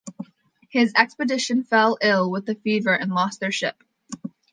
His expedition fell ill with fever and lost their ship.